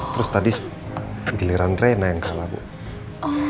terus tadi giliran rena yang kelihatan kayak gila